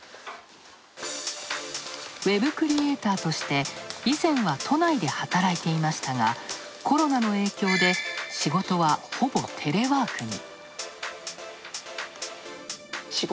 ウェブクリエーターとして以前は都内で働いていましたがコロナの影響で仕事は、ほぼテレワークに。